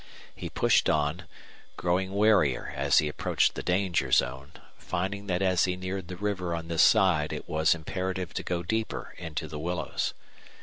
He pushed on, growing warier as he approached the danger zone, finding that as he neared the river on this side it was imperative to go deeper into the willows.